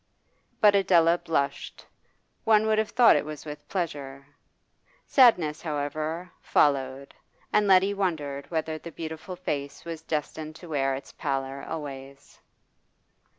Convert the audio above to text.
But Adela blushed, one would have thought it was with pleasure. Sadness, however, followed, and Letty wondered whether the beautiful face was destined to wear its pallor always.